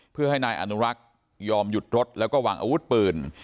เพื่อให้นายอนุรักษ์ยอมหยุดรถแล้วก็วางอาวุธปืน